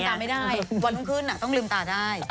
ลิ่มตาไม่ได้วันชุ่มคืนต้องลิ่มตาได้